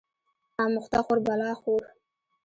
اموخته خور بلا خور